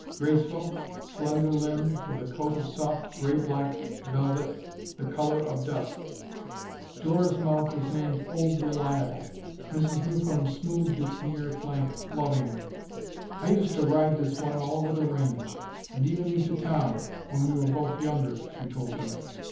Graceful, slender limbed, with a coat of soft gray black velvet—the color of dusk. Dora's mount was named "Old Reliable." Mrs. Newcomb smoothed its near flank lovingly. "I used to ride this one all over the range, and even into town, when we were both younger," she told them.